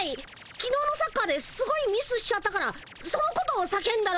きのうのサッカーですごいミスしちゃったからそのことを叫んだの。